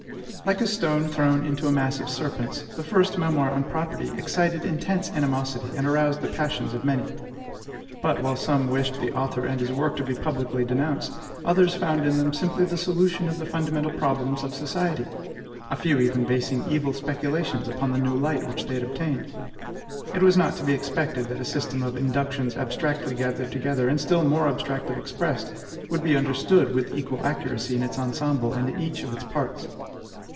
Like a stone thrown into a mass of serpents, the First Memoir on Property excited intense animosity, and aroused the passions of many. But, while some wished the author and his work to be publicly denounced, others found in them simply the solution of the fundamental problems of society; a few even basing evil speculations upon the new light which they had obtained. It was not to be expected that a system of inductions abstractly gathered together, and still more abstractly expressed, would be understood with equal accuracy in its ensemble and in each of its parts.